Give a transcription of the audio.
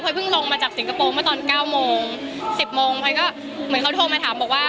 เพิ่งลงมาจากสิงคโปร์เมื่อตอนเก้าโมงสิบโมงพลอยก็เหมือนเขาโทรมาถามบอกว่า